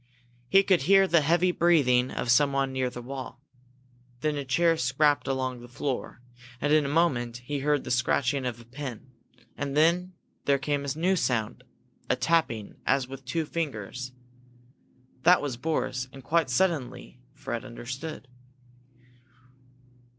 He could hear the heavy breathing of someone near the wall. Then a chair scraped along the floor, and in a moment he heard the scratching of a pen. And then there came a new sound, a tapping, as with two fingers. That was Boris, and quite suddenly Fred understood.